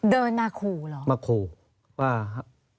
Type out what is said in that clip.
เดินมาขู่เหรอมาขู่